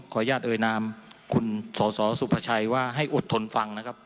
อนุญาตเอ่ยนามคุณสสสุภาชัยว่าให้อดทนฟังนะครับ